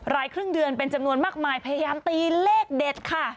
รายครึ่งเดือนเป็นจำนวนมากมายพยายามตีเลขเด็ดค่ะ